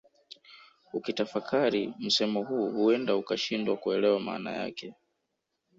Ukitafakari msemo huu huenda ukashindwa kuelewa maana yake